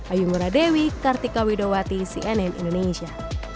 ayungura dewi kartika widowati cnn indonesia